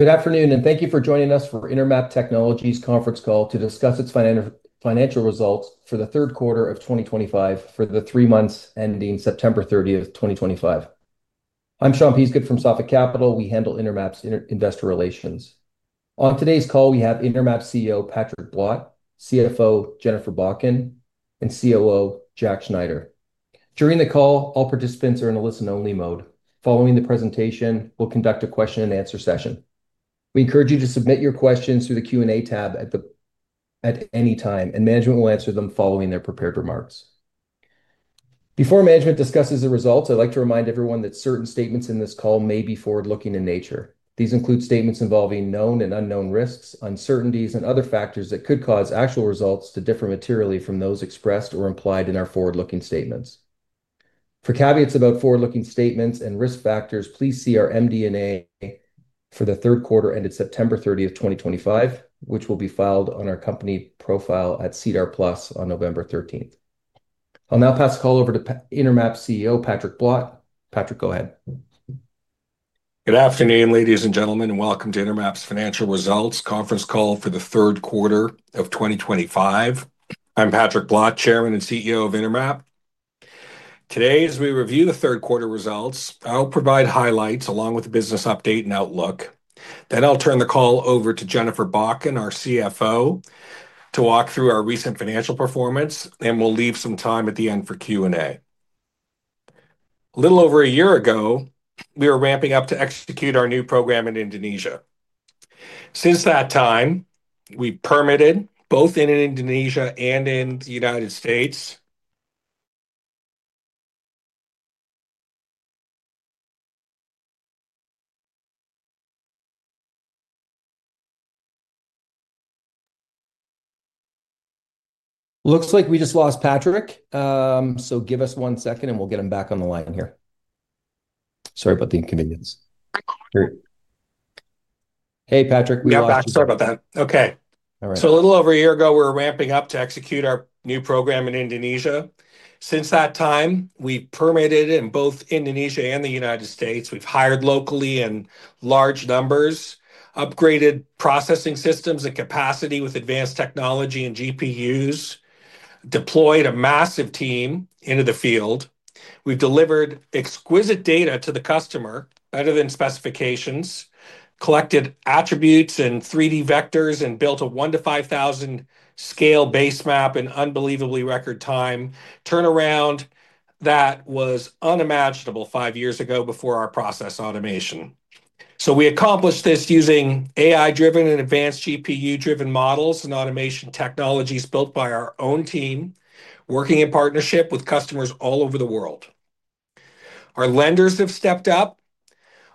Good afternoon, and thank you for joining us for Intermap Technologies' Conference Call to discuss its financial results for the third quarter of 2025 for the three months ending September 30th, 2025. I'm Sean Peasgood from Sophic Capital. We handle Intermap's investor relations. On today's call, we have Intermap CEO Patrick Blott, CFO Jennifer Bakken, and COO Jack Schneider. During the call, all participants are in a listen-only mode. Following the presentation, we'll conduct a question-and-answer session. We encourage you to submit your questions through the Q&A tab at any time, and management will answer them following their prepared remarks. Before management discusses the results, I'd like to remind everyone that certain statements in this call may be forward-looking in nature. These include statements involving known and unknown risks, uncertainties, and other factors that could cause actual results to differ materially from those expressed or implied in our forward-looking statements. For caveats about forward-looking statements and risk factors, please see our MD&A for the third quarter ended September 30, 2025, which will be filed on our company profile at Cedar Plus on November 13. I'll now pass the call over to Intermap CEO Patrick Blott. Patrick, go ahead. Good afternoon, ladies and gentlemen, and welcome to Intermap's financial results conference call for the third quarter of 2025. I'm Patrick Blott, Chairman and CEO of Intermap. Today, as we review the third quarter results, I'll provide highlights along with a business update and outlook. I will turn the call over to Jennifer Bakken, our CFO, to walk through our recent financial performance, and we will leave some time at the end for Q&A. A little over a year ago, we were ramping up to execute our new program in Indonesia. Since that time, we've permitted both in Indonesia and in the United States. Looks like we just lost Patrick. Give us one second, and we'll get him back on the line here. Sorry about the inconvenience. Hey, Patrick. Yeah, sorry about that. Okay. A little over a year ago, we were ramping up to execute our new program in Indonesia. Since that time, we've permitted in both Indonesia and the United States. We've hired locally in large numbers, upgraded processing systems and capacity with advanced technology and GPUs, deployed a massive team into the field. We've delivered exquisite data to the customer other than specifications, collected attributes and 3D vectors, and built a 1:5,000 scale basemap in unbelievably record time turnaround that was unimaginable five years ago before our process automation. We accomplished this using AI-driven and advanced GPU-driven models and automation technologies built by our own team, working in partnership with customers all over the world. Our lenders have stepped up,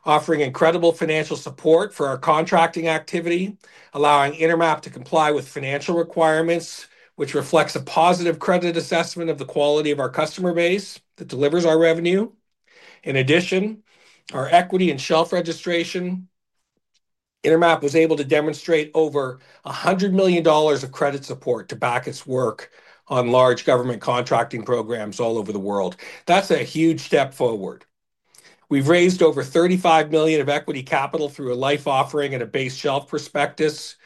offering incredible financial support for our contracting activity, allowing Intermap to comply with financial requirements, which reflects a positive credit assessment of the quality of our customer base that delivers our revenue. In addition, our equity and shelf registration, Intermap was able to demonstrate over $100 million of credit support to back its work on large government contracting programs all over the world. That's a huge step forward. We've raised over $35 million of equity capital through a live offering and a base shelf prospectus.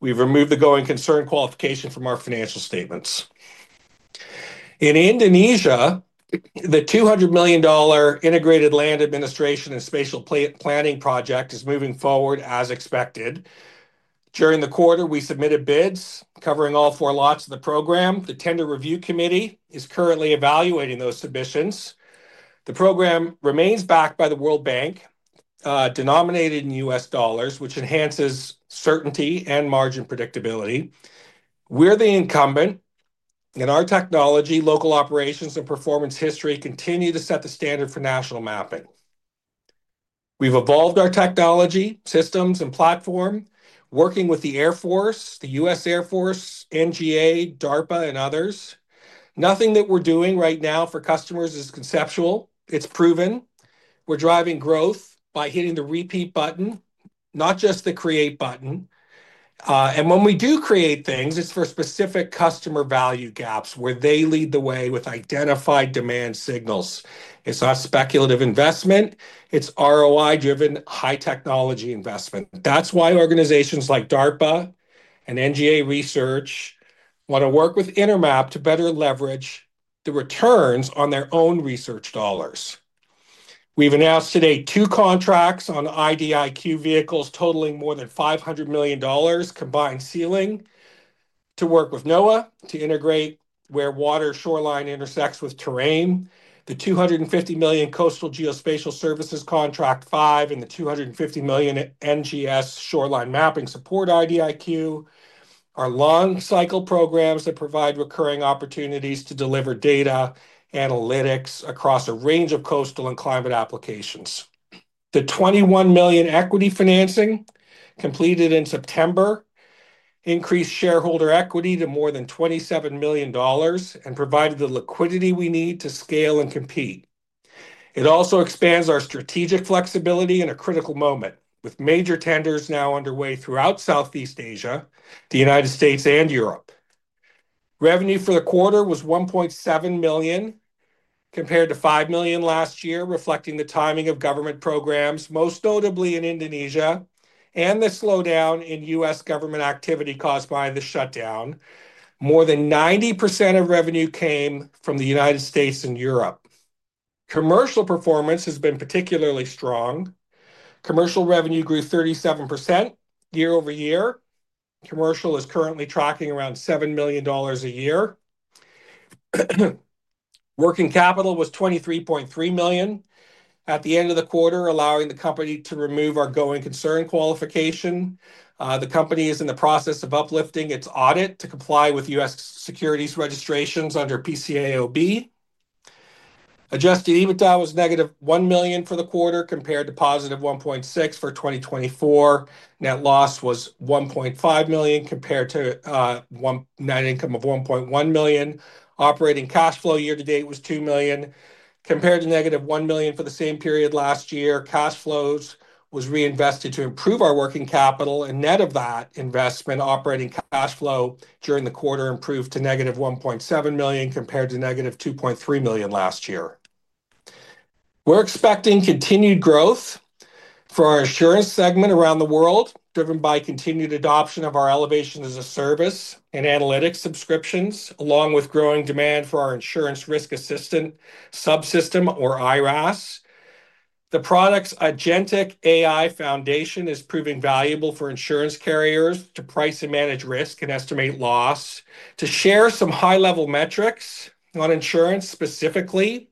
We've removed the going concern qualification from our financial statements. In Indonesia, the $200 million Integrated Land Administration and Spatial Planning project is moving forward as expected. During the quarter, we submitted bids covering all four lots of the program. The tender review committee is currently evaluating those submissions. The program remains backed by the World Bank, denominated in U.S. dollars. dollars, which enhances certainty and margin predictability. We're the incumbent, and our technology, local operations, and performance history continue to set the standard for national mapping. We've evolved our technology, systems, and platform, working with the U.S. Air Force, NGA, DARPA, and others. Nothing that we're doing right now for customers is conceptual. It's proven. We're driving growth by hitting the repeat button, not just the create button. When we do create things, it's for specific customer value gaps where they lead the way with identified demand signals. It's not speculative investment. It's ROI-driven, high-tech technology investment. That's why organizations like DARPA and NGA Research want to work with Intermap to better leverage the returns on their own research dollars. We've announced today two contracts on IDIQ vehicles totaling more than $500 million combined ceiling to work with NOAA to integrate where water shoreline intersects with terrain. The $250 million Coastal Geospatial Services contract five and the $250 million NGS Shoreline Mapping Support IDIQ are long-cycle programs that provide recurring opportunities to deliver data analytics across a range of coastal and climate applications. The $21 million equity financing completed in September increased shareholder equity to more than $27 million and provided the liquidity we need to scale and compete. It also expands our strategic flexibility in a critical moment, with major tenders now underway throughout Southeast Asia, the United States, and Europe. Revenue for the quarter was $1.7 million compared to $5 million last year, reflecting the timing of government programs, most notably in Indonesia, and the slowdown in U.S. government activity caused by the shutdown. More than 90% of revenue came from the United States and Europe. Commercial performance has been particularly strong. Commercial revenue grew 37% year over year. Commercial is currently tracking around $7 million a year. Working capital was $23.3 million at the end of the quarter, allowing the company to remove our going concern qualification. The company is in the process of uplifting its audit to comply with U.S. securities registrations under PCAOB. Adjusted EBITDA was negative $1 million for the quarter compared to positive $1.6 million for 2024. Net loss was $1.5 million compared to net income of $1.1 million. Operating cash flow year-to-date was $2 million. Compared to negative $1 million for the same period last year, cash flows were reinvested to improve our working capital. Net of that investment, operating cash flow during the quarter improved to negative $1.7 million compared to negative $2.3 million last year. We're expecting continued growth for our insurance segment around the world, driven by continued adoption of our Elevation as a Service and analytic subscriptions, along with growing demand for our Insurance Risk Assistant Subsystem or IRAS. The product's Agentic AI Foundation is proving valuable for insurance carriers to price and manage risk and estimate loss. To share some high-level metrics on insurance specifically,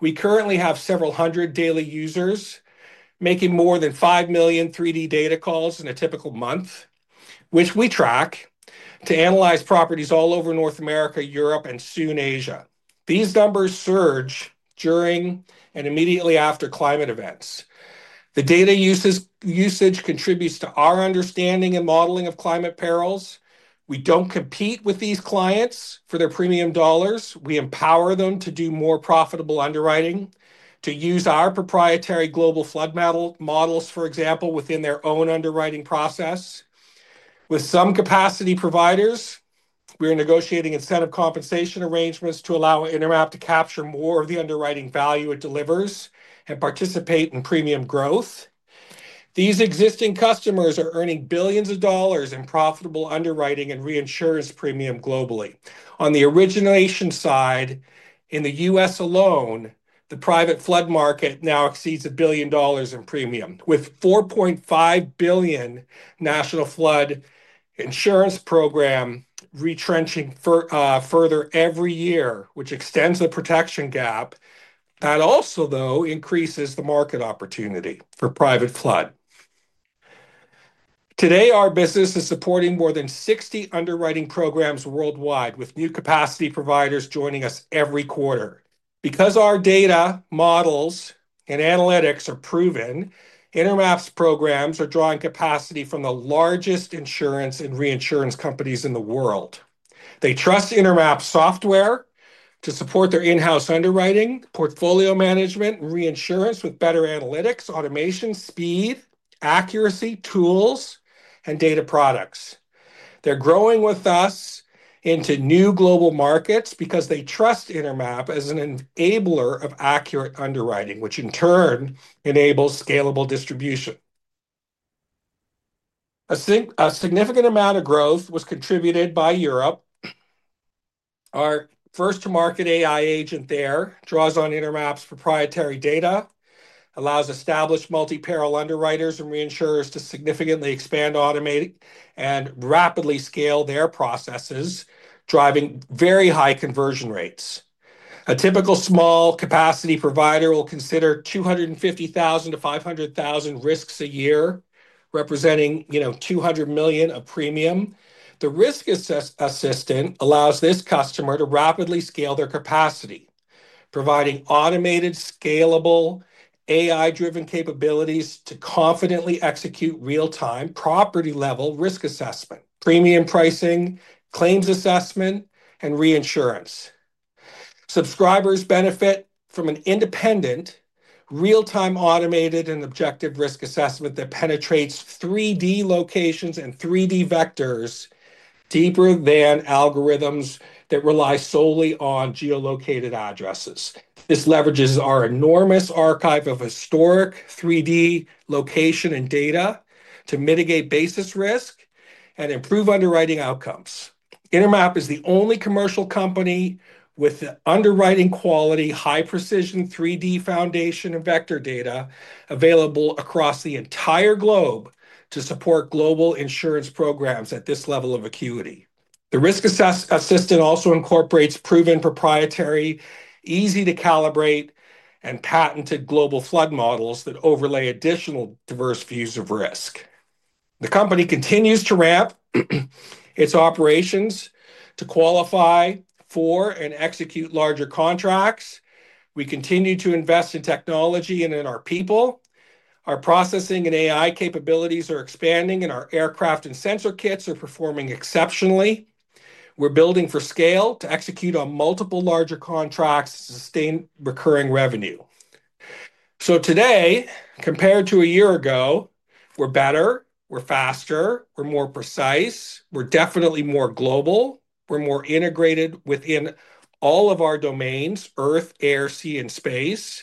we currently have several hundred daily users making more than 5 million 3D data calls in a typical month, which we track to analyze properties all over North America, Europe, and soon Asia. These numbers surge during and immediately after climate events. The data usage contributes to our understanding and modeling of climate perils. We don't compete with these clients for their premium dollars. We empower them to do more profitable underwriting, to use our proprietary Global Flood Models, for example, within their own underwriting process. With some capacity providers, we're negotiating incentive compensation arrangements to allow Intermap to capture more of the underwriting value it delivers and participate in premium growth. These existing customers are earning billions of dollars in profitable underwriting and reinsurance premium globally. On the origination side, in the U.S. alone, the private flood market now exceeds $1 billion in premium, with $4.5 billion National Flood Insurance Program retrenching further every year, which extends the protection gap. That also, though, increases the market opportunity for private flood. Today, our business is supporting more than 60 underwriting programs worldwide, with new capacity providers joining us every quarter. Because our data models and analytics are proven, Intermap's programs are drawing capacity from the largest insurance and reinsurance companies in the world. They trust Intermap software to support their in-house underwriting, portfolio management, and reinsurance with better analytics, automation, speed, accuracy, tools, and data products. They're growing with us into new global markets because they trust Intermap as an enabler of accurate underwriting, which in turn enables scalable distribution. A significant amount of growth was contributed by Europe. Our first-to-market AI agent there draws on Intermap's proprietary data, allows established multi-peril underwriters and reinsurers to significantly expand, automate, and rapidly scale their processes, driving very high conversion rates. A typical small capacity provider will consider 250,000-500,000 risks a year, representing $200 million of premium. The risk assistant allows this customer to rapidly scale their capacity, providing automated, scalable, AI-driven capabilities to confidently execute real-time property-level risk assessment, premium pricing, claims assessment, and reinsurance. Subscribers benefit from an independent, real-time automated and objective risk assessment that penetrates 3D locations and 3D vectors deeper than algorithms that rely solely on geolocated addresses. This leverages our enormous archive of historic 3D location and data to mitigate basis risk and improve underwriting outcomes. Intermap is the only commercial company with underwriting quality, high-precision 3D foundation and vector data available across the entire globe to support global insurance programs at this level of acuity. The risk assistant also incorporates proven proprietary, easy to calibrate, and patented global flood models that overlay additional diverse views of risk. The company continues to ramp its operations to qualify for and execute larger contracts. We continue to invest in technology and in our people. Our processing and AI capabilities are expanding, and our aircraft and sensor kits are performing exceptionally. We're building for scale to execute on multiple larger contracts to sustain recurring revenue. Today, compared to a year ago, we're better, we're faster, we're more precise, we're definitely more global, we're more integrated within all of our domains: earth, air, sea, and space.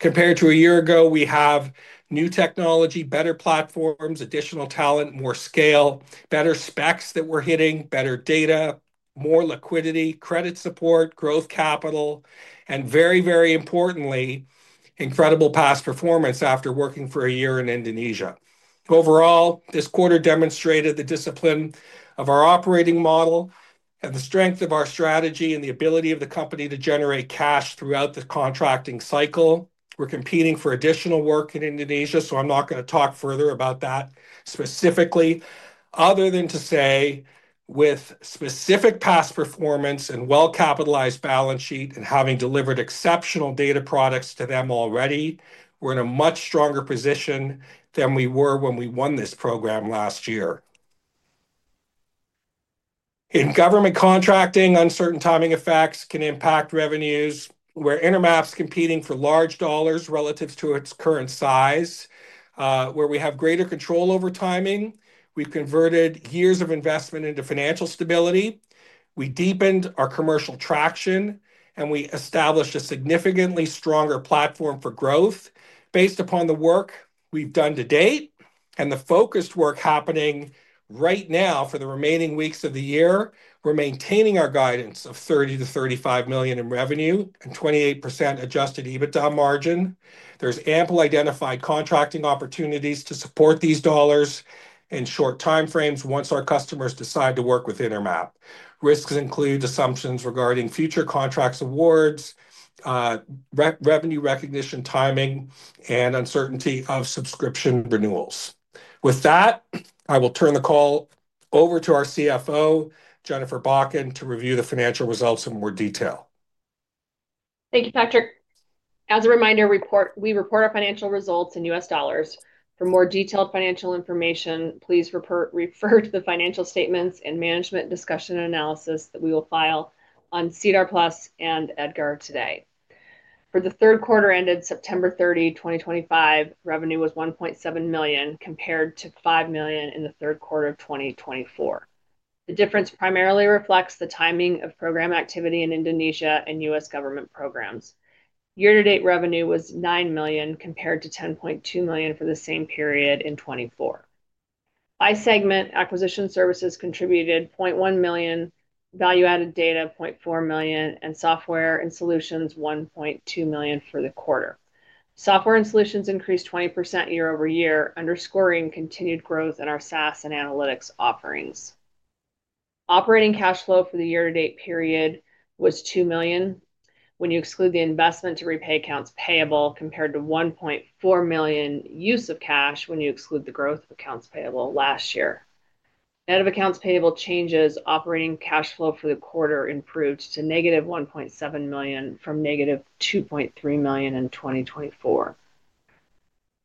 Compared to a year ago, we have new technology, better platforms, additional talent, more scale, better specs that we're hitting, better data, more liquidity, credit support, growth capital, and very, very importantly, incredible past performance after working for a year in Indonesia. Overall, this quarter demonstrated the discipline of our operating model and the strength of our strategy and the ability of the company to generate cash throughout the contracting cycle. We're competing for additional work in Indonesia, so I'm not going to talk further about that specifically, other than to say, with specific past performance and well-capitalized balance sheet and having delivered exceptional data products to them already, we're in a much stronger position than we were when we won this program last year. In government contracting, uncertain timing effects can impact revenues. Where Intermap's competing for large dollars relative to its current size, we have greater control over timing. We've converted years of investment into financial stability. We deepened our commercial traction, and we established a significantly stronger platform for growth based upon the work we've done to date. The focused work happening right now for the remaining weeks of the year, we're maintaining our guidance of $30-$35 million in revenue and 28% adjusted EBITDA margin. There's ample identified contracting opportunities to support these dollars in short time frames once our customers decide to work with Intermap. Risks include assumptions regarding future contracts, awards, revenue recognition timing, and uncertainty of subscription renewals. With that, I will turn the call over to our CFO, Jennifer Bakken, to review the financial results in more detail. Thank you, Patrick. As a reminder, we report our financial results in U.S. dollars. For more detailed financial information, please refer to the financial statements and management discussion and analysis that we will file on SEDAR+ and EDGAR today. For the third quarter ended September 30, 2025, revenue was $1.7 million compared to $5 million in the third quarter of 2024. The difference primarily reflects the timing of program activity in Indonesia and U.S. government programs. Year-to-date revenue was $9 million compared to $10.2 million for the same period in 2024. By segment, acquisition services contributed $0.1 million, value-added data $0.4 million, and software and solutions $1.2 million for the quarter. Software and solutions increased 20% year over year, underscoring continued growth in our SaaS and analytics offerings. Operating cash flow for the year-to-date period was $2 million when you exclude the investment to repay accounts payable, compared to $1.4 million use of cash when you exclude the growth of accounts payable last year. Net of accounts payable changes, operating cash flow for the quarter improved to negative $1.7 million from negative $2.3 million in 2024.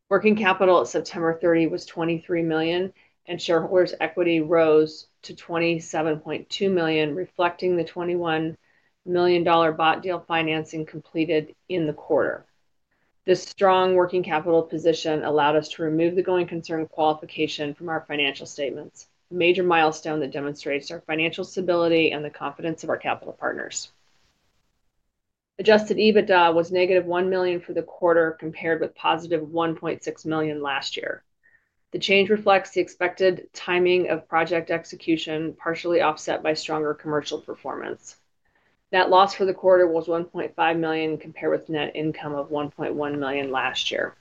Working capital at September 30 was $23 million, and shareholders' equity rose to $27.2 million, reflecting the $21 million bought deal financing completed in the quarter. This strong working capital position allowed us to remove the going concern qualification from our financial statements, a major milestone that demonstrates our financial stability and the confidence of our capital partners. Adjusted EBITDA was negative $1 million for the quarter, compared with positive $1.6 million last year. The change reflects the expected timing of project execution, partially offset by stronger commercial performance. Net loss for the quarter was $1.5 million compared with net income of $1.1 million last year.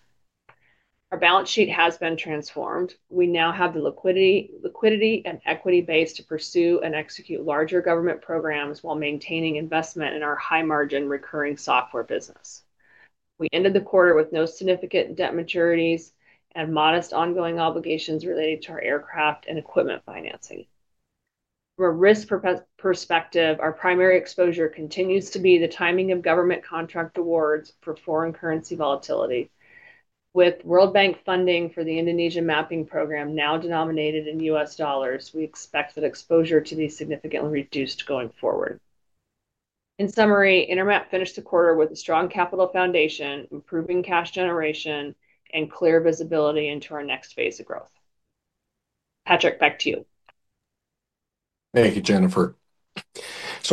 Our balance sheet has been transformed. We now have the liquidity and equity base to pursue and execute larger government programs while maintaining investment in our high-margin recurring software business. We ended the quarter with no significant debt maturities and modest ongoing obligations related to our aircraft and equipment financing. From a risk perspective, our primary exposure continues to be the timing of government contract awards for foreign currency volatility. With World Bank funding for the Indonesia mapping program now denominated in U.S. dollars, we expect that exposure to be significantly reduced going forward. In summary, Intermap finished the quarter with a strong capital foundation, improving cash generation, and clear visibility into our next phase of growth. Patrick, back to you. Thank you, Jennifer.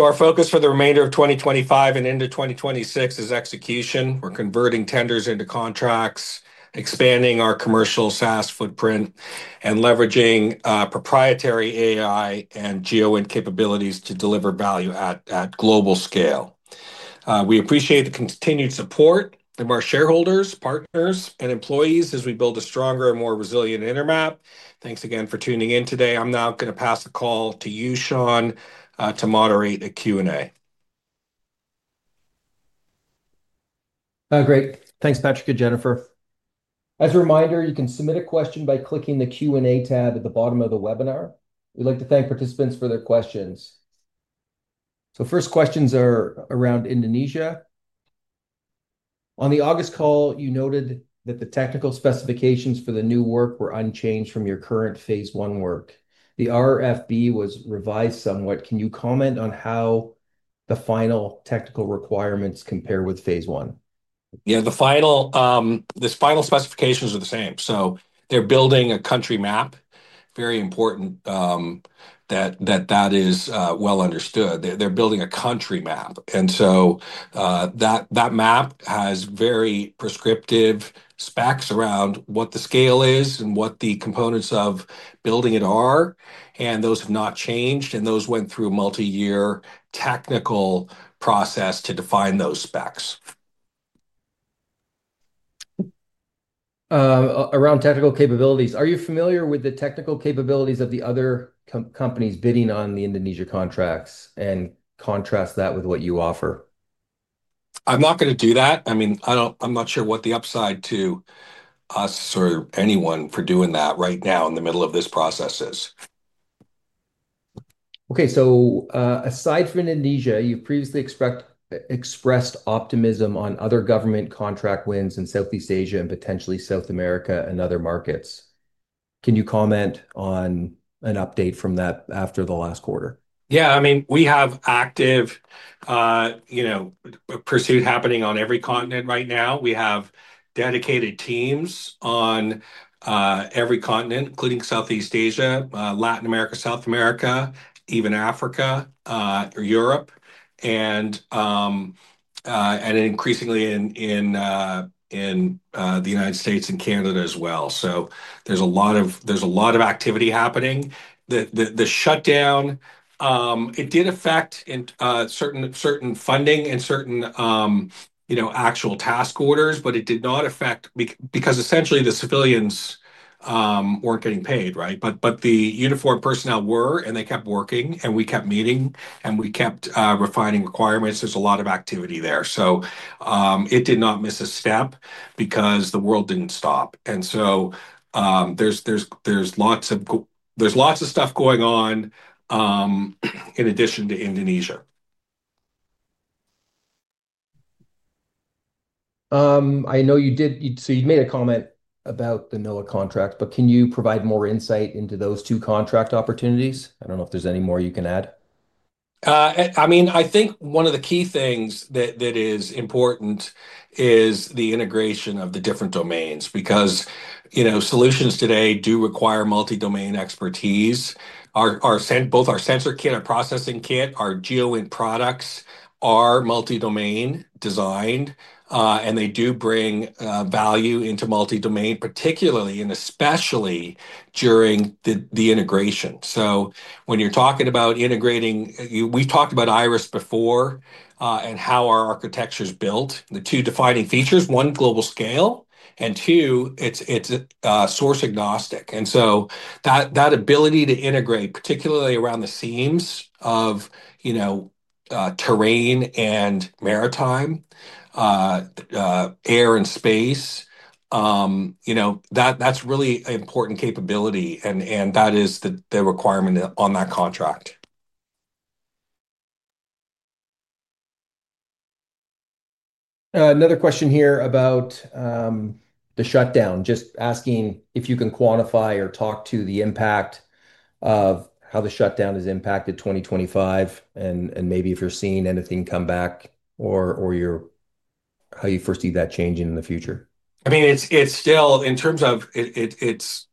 Our focus for the remainder of 2025 and into 2026 is execution. We're converting tenders into contracts, expanding our commercial SaaS footprint, and leveraging proprietary AI and geoincapabilities to deliver value at global scale. We appreciate the continued support of our shareholders, partners, and employees as we build a stronger and more resilient Intermap. Thanks again for tuning in today. I'm now going to pass the call to you, Sean, to moderate the Q&A. Great. Thanks, Patrick and Jennifer. As a reminder, you can submit a question by clicking the Q&A tab at the bottom of the webinar. We'd like to thank participants for their questions. First, questions are around Indonesia. On the August call, you noted that the technical specifications for the new work were unchanged from your current phase I work. The RFB was revised somewhat. Can you comment on how the final technical requirements compare with phase I? Yeah, the final, these final specifications are the same. They are building a country map. Very important that that is well understood. They are building a country map. That map has very prescriptive specs around what the scale is and what the components of building it are. Those have not changed. Those went through a multi-year technical process to define those specs. Around technical capabilities, are you familiar with the technical capabilities of the other companies bidding on the Indonesia contracts and contrast that with what you offer? I'm not going to do that. I mean, I'm not sure what the upside to us or anyone for doing that right now in the middle of this process is. Okay. Aside from Indonesia, you've previously expressed optimism on other government contract wins in Southeast Asia and potentially South America and other markets. Can you comment on an update from that after the last quarter? Yeah. I mean, we have active pursuit happening on every continent right now. We have dedicated teams on every continent, including Southeast Asia, Latin America, South America, even Africa, or Europe, and increasingly in the United States and Canada as well. There's a lot of activity happening. The shutdown, it did affect certain funding and certain actual task orders, but it did not affect because essentially the civilians weren't getting paid, right? The uniformed personnel were, and they kept working, and we kept meeting, and we kept refining requirements. There's a lot of activity there. It did not miss a step because the world didn't stop. There's lots of stuff going on in addition to Indonesia. I know you did, so you made a comment about the NOAA contract, but can you provide more insight into those two contract opportunities? I don't know if there's any more you can add. I mean, I think one of the key things that is important is the integration of the different domains because solutions today do require multi-domain expertise. Both our sensor kit, our processing kit, our geoinc products are multi-domain designed, and they do bring value into multi-domain, particularly and especially during the integration. When you're talking about integrating, we've talked about IRIS before and how our architecture is built. The two defining features, one, global scale, and two, it's source agnostic. That ability to integrate, particularly around the seams of terrain and maritime, air and space, that's really an important capability, and that is the requirement on that contract. Another question here about the shutdown, just asking if you can quantify or talk to the impact of how the shutdown has impacted 2025 and maybe if you're seeing anything come back or how you foresee that changing in the future. I mean, it's still, in terms of it's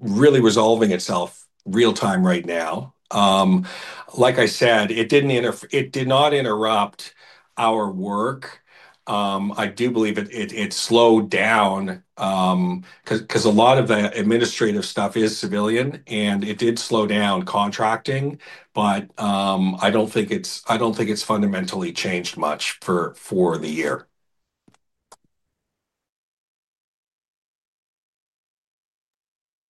really resolving itself real-time right now. Like I said, it did not interrupt our work. I do believe it slowed down because a lot of the administrative stuff is civilian, and it did slow down contracting, but I do not think it has fundamentally changed much for the year.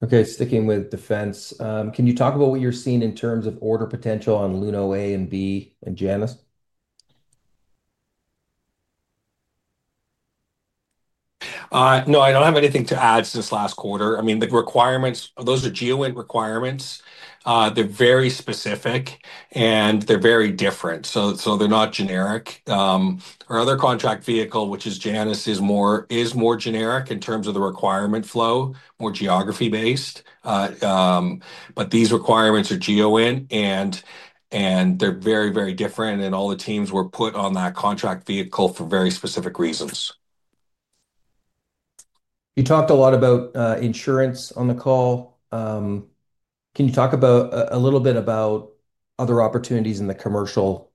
Okay. Sticking with defense, can you talk about what you are seeing in terms of order potential on LUNO A and B and [Janus]? No, I do not have anything to add since last quarter. I mean, the requirements, those are geoinc requirements. They are very specific, and they are very different. They are not generic. Our other contract vehicle, which is Janus, is more generic in terms of the requirement flow, more geography-based. These requirements are geoinc, and they are very, very different, and all the teams were put on that contract vehicle for very specific reasons. You talked a lot about insurance on the call. Can you talk a little bit about other opportunities in the commercial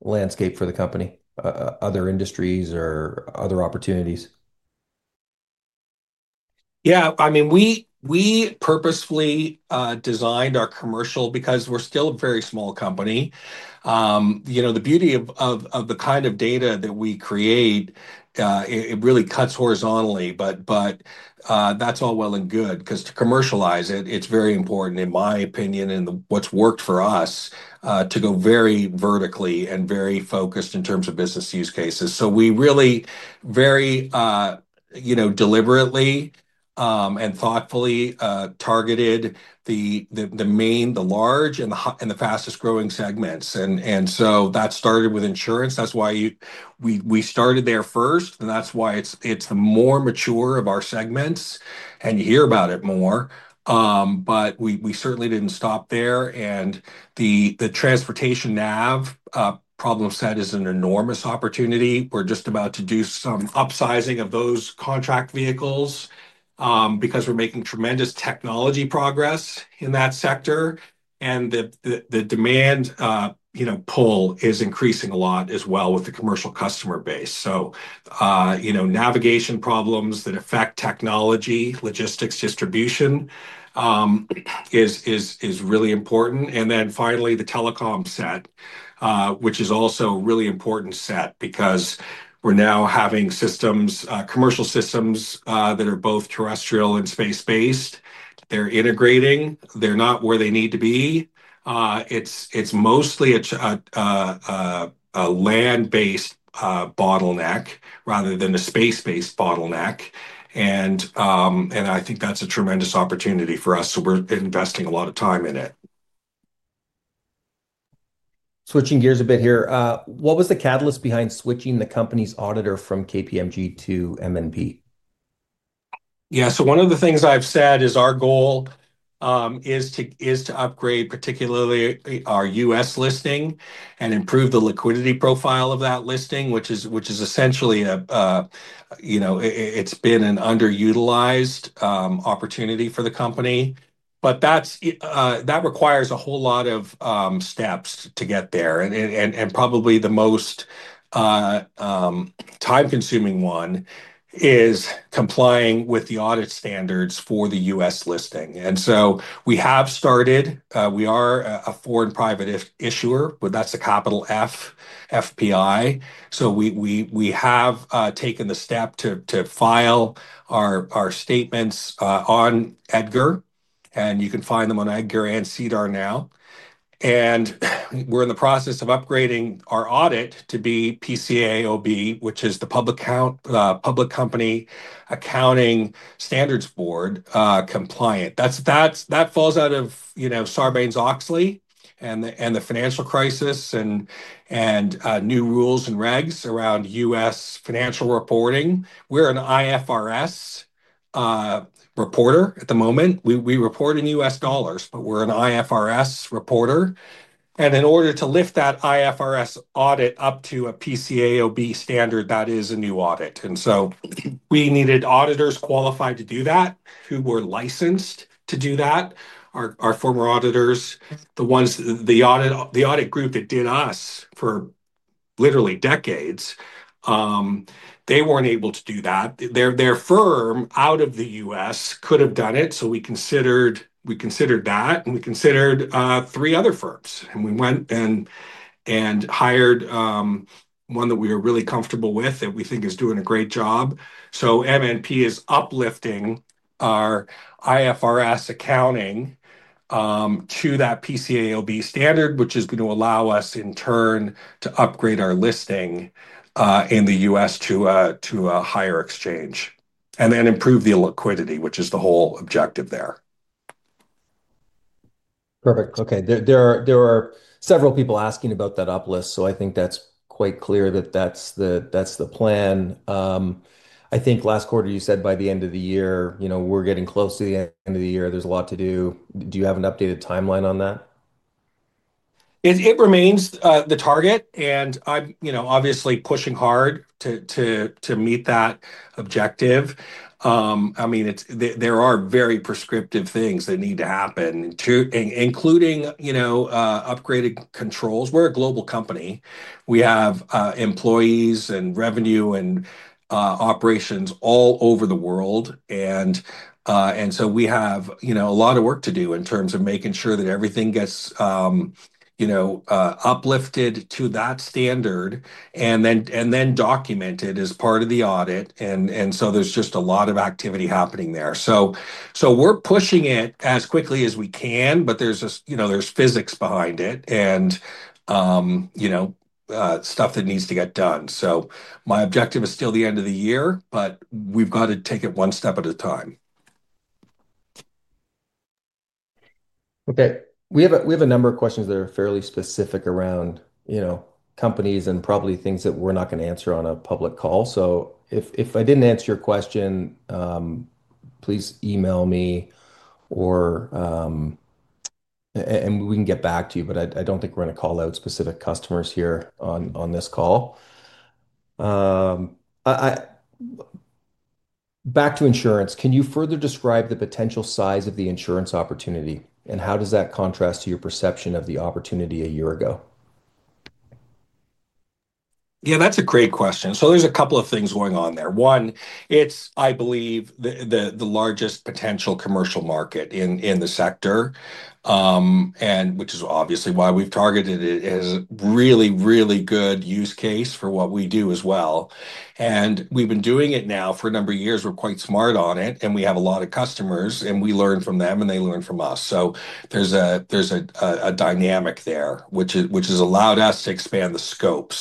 landscape for the company, other industries or other opportunities? Yeah. I mean, we purposefully designed our commercial because we're still a very small company. The beauty of the kind of data that we create, it really cuts horizontally, but that's all well and good because to commercialize it, it's very important, in my opinion, and what's worked for us to go very vertically and very focused in terms of business use cases. We really very deliberately and thoughtfully targeted the main, the large, and the fastest-growing segments. That started with insurance. That's why we started there first, and that's why it's the more mature of our segments, and you hear about it more. We certainly didn't stop there. The transportation nav problem set is an enormous opportunity. We're just about to do some upsizing of those contract vehicles because we're making tremendous technology progress in that sector, and the demand pull is increasing a lot as well with the commercial customer base. Navigation problems that affect technology, logistics, distribution is really important. Finally, the telecom set, which is also a really important set because we're now having systems, commercial systems that are both terrestrial and space-based. They're integrating. They're not where they need to be. It's mostly a land-based bottleneck rather than a space-based bottleneck. I think that's a tremendous opportunity for us. We're investing a lot of time in it. Switching gears a bit here. What was the catalyst behind switching the company's auditor from KPMG to M&P? Yeah. One of the things I've said is our goal is to upgrade particularly our U.S. listing and improve the liquidity profile of that listing, which is essentially a it's been an underutilized opportunity for the company. That requires a whole lot of steps to get there. Probably the most time-consuming one is complying with the audit standards for the U.S. listing. We have started. We are a foreign private issuer, but that's a capital F, FPI. We have taken the step to file our statements on Edgar, and you can find them on Edgar and SEDAR now. We are in the process of upgrading our audit to be PCAOB, which is the Public Company Accounting Standards Board, compliant. That falls out of Sarbanes-Oxley and the financial crisis and new rules and regs around U.S. financial reporting. We are an IFRS reporter at the moment. We report in U.S. dollars, but we are an IFRS reporter. In order to lift that IFRS audit up to a PCAOB standard, that is a new audit. We needed auditors qualified to do that, who were licensed to do that. Our former auditors, the audit group that did us for literally decades, they were not able to do that. Their firm out of the U.S. could have done it. We considered that, and we considered three other firms. We went and hired one that we are really comfortable with that we think is doing a great job. M&P is uplifting our IFRS accounting to that PCAOB standard, which is going to allow us, in turn, to upgrade our listing in the U.S. to a higher exchange and then improve the liquidity, which is the whole objective there. Perfect. Okay. There are several people asking about that uplift, so I think that's quite clear that that's the plan. I think last quarter, you said by the end of the year, we're getting close to the end of the year. There's a lot to do. Do you have an updated timeline on that? It remains the target, and I'm obviously pushing hard to meet that objective. I mean, there are very prescriptive things that need to happen, including upgraded controls. We're a global company. We have employees and revenue and operations all over the world. There is a lot of work to do in terms of making sure that everything gets uplifted to that standard and then documented as part of the audit. There is just a lot of activity happening there. We're pushing it as quickly as we can, but there's physics behind it and stuff that needs to get done. My objective is still the end of the year, but we've got to take it one step at a time. Okay. We have a number of questions that are fairly specific around companies and probably things that we're not going to answer on a public call. If I didn't answer your question, please email me, and we can get back to you, but I don't think we're going to call out specific customers here on this call. Back to insurance, can you further describe the potential size of the insurance opportunity, and how does that contrast to your perception of the opportunity a year ago? Yeah, that's a great question. There's a couple of things going on there. One, it's, I believe, the largest potential commercial market in the sector, which is obviously why we've targeted it as a really, really good use case for what we do as well. We've been doing it now for a number of years. We're quite smart on it, and we have a lot of customers, and we learn from them, and they learn from us. There's a dynamic there, which has allowed us to expand the scope.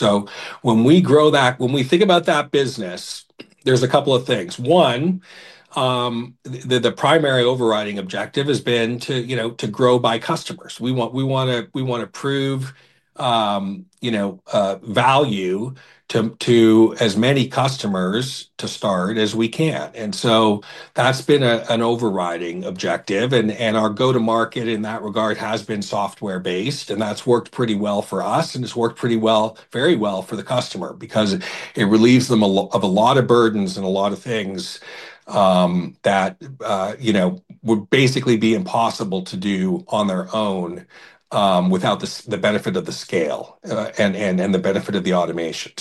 When we grow that, when we think about that business, there's a couple of things. One, the primary overriding objective has been to grow by customers. We want to prove value to as many customers to start as we can. That's been an overriding objective. Our go-to-market in that regard has been software-based, and that's worked pretty well for us, and it's worked very well for the customer because it relieves them of a lot of burdens and a lot of things that would basically be impossible to do on their own without the benefit of the scale and the benefit of the automation.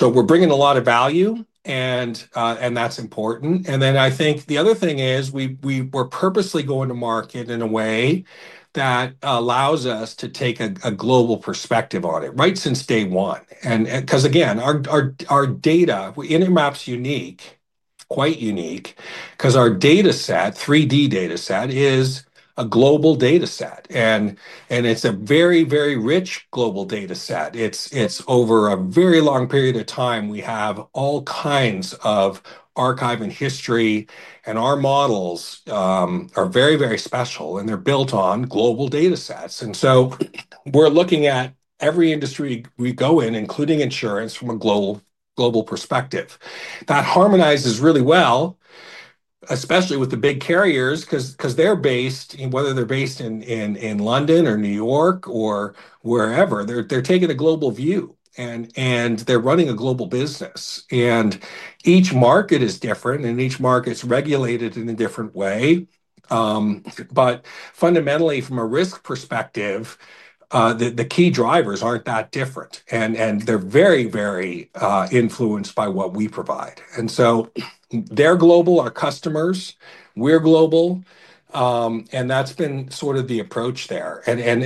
We're bringing a lot of value, and that's important. I think the other thing is we were purposely going to market in a way that allows us to take a global perspective on it right since day one. Again, our data, Intermap's unique, quite unique, because our dataset, 3D dataset, is a global dataset, and it's a very, very rich global dataset. It's over a very long period of time. We have all kinds of archive and history, and our models are very, very special, and they're built on global datasets. We are looking at every industry we go in, including insurance, from a global perspective. That harmonizes really well, especially with the big carriers because they're based, whether they're based in London or New York or wherever, they're taking a global view, and they're running a global business. Each market is different, and each market's regulated in a different way. Fundamentally, from a risk perspective, the key drivers aren't that different, and they're very, very influenced by what we provide. They're global, our customers, we're global, and that's been sort of the approach there. The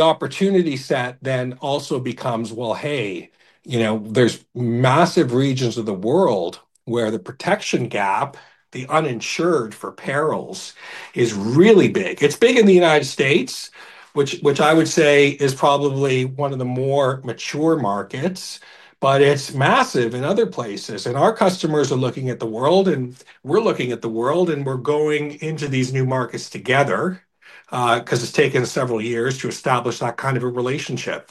opportunity set then also becomes, well, hey, there's massive regions of the world where the protection gap, the uninsured for perils, is really big. It's big in the United States, which I would say is probably one of the more mature markets, but it's massive in other places. Our customers are looking at the world, and we're looking at the world, and we're going into these new markets together because it's taken several years to establish that kind of a relationship.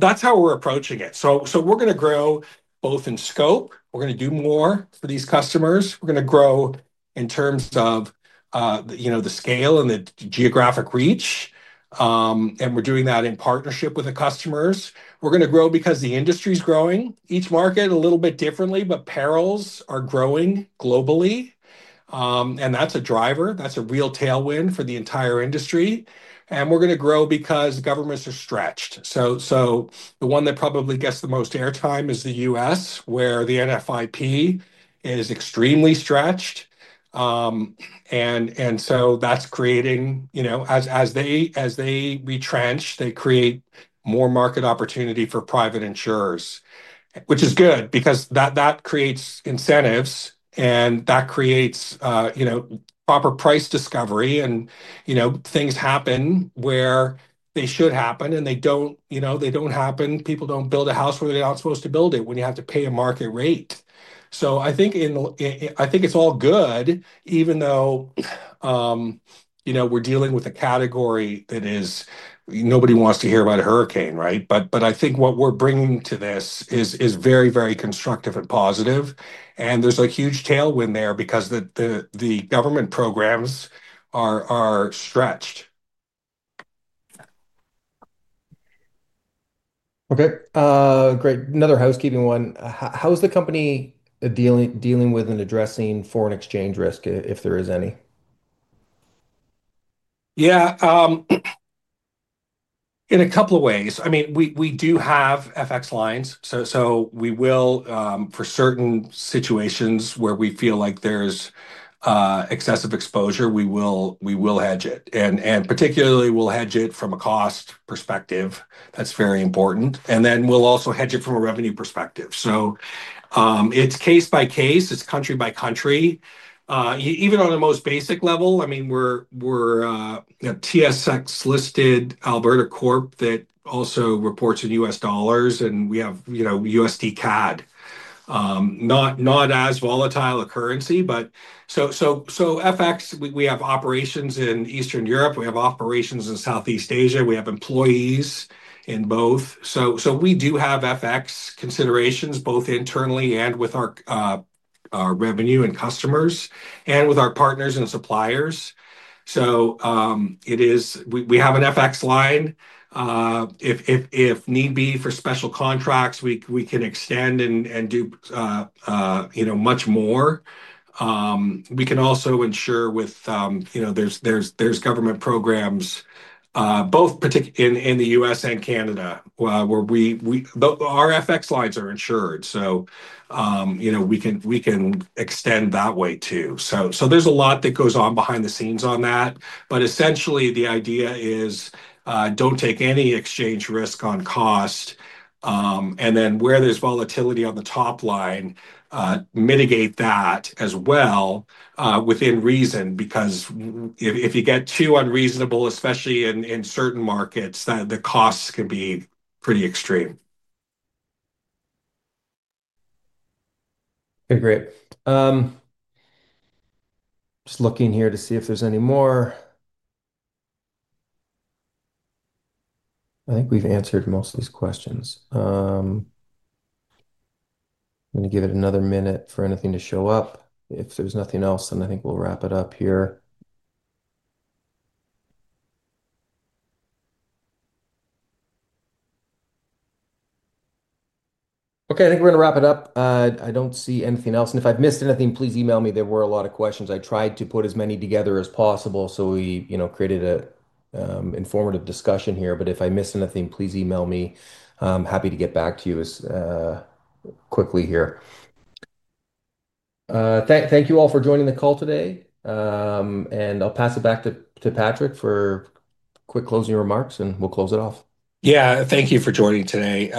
That's how we're approaching it. We're going to grow both in scope. We're going to do more for these customers. We're going to grow in terms of the scale and the geographic reach, and we're doing that in partnership with the customers. We're going to grow because the industry's growing. Each market a little bit differently, but perils are growing globally, and that's a driver. That's a real tailwind for the entire industry. We're going to grow because governments are stretched. The one that probably gets the most airtime is the U.S., where the NFIP is extremely stretched. That is creating, as they retrench, more market opportunity for private insurers, which is good because that creates incentives, and that creates proper price discovery. Things happen where they should happen, and they do not happen. People do not build a house where they are not supposed to build it when you have to pay a market rate. I think it is all good, even though we are dealing with a category that is nobody wants to hear about a hurricane, right? I think what we are bringing to this is very, very constructive and positive. There is a huge tailwind there because the government programs are stretched. Okay. Great. Another housekeeping one. How is the company dealing with and addressing foreign exchange risk, if there is any? Yeah. In a couple of ways. I mean, we do have FX lines. We will, for certain situations where we feel like there's excessive exposure, hedge it. Particularly, we'll hedge it from a cost perspective. That's very important. We'll also hedge it from a revenue perspective. It's case by case. It's country by country. Even on the most basic level, I mean, we're TSX-listed Alberta Corp that also reports in U.S. dollars, and we have USD CAD. Not as volatile a currency, but FX, we have operations in Eastern Europe. We have operations in Southeast Asia. We have employees in both. We do have FX considerations both internally and with our revenue and customers and with our partners and suppliers. We have an FX line. If need be for special contracts, we can extend and do much more. We can also insure with there's government programs both in the U.S. and Canada where our FX lines are insured. We can extend that way too. There is a lot that goes on behind the scenes on that. Essentially, the idea is do not take any exchange risk on cost. Where there is volatility on the top line, mitigate that as well within reason because if you get too unreasonable, especially in certain markets, the costs can be pretty extreme. Okay. Great. Just looking here to see if there is any more. I think we have answered most of these questions. I am going to give it another minute for anything to show up. If there is nothing else, then I think we will wrap it up here. Okay. I think we are going to wrap it up. I do not see anything else. If I have missed anything, please email me. There were a lot of questions. I tried to put as many together as possible. We created an informative discussion here. If I missed anything, please email me. I'm happy to get back to you quickly here. Thank you all for joining the call today. I'll pass it back to Patrick for quick closing remarks, and we'll close it off. Thank you for joining today.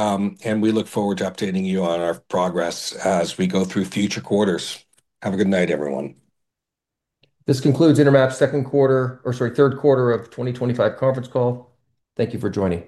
We look forward to updating you on our progress as we go through future quarters. Have a good night, everyone. This concludes Intermap's second quarter or sorry, third quarter of 2025 conference call. Thank you for joining.